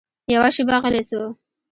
يوه شېبه غلى سو.